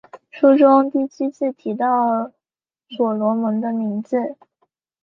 书中七次提到所罗门的名字。